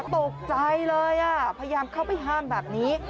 ตกใจเลยพยายามเข้าไปห้ามแบบนี้